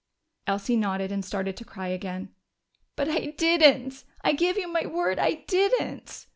Elsie nodded and started to cry again. "But I didn't! I give you my word I didn't!"